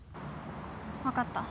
分かった。